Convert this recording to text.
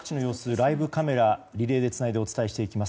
ライブカメラでリレーでつないでお伝えしていきます。